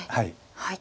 はい。